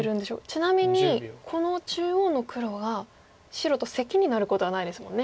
ちなみにこの中央の黒が白とセキになることはないですもんね。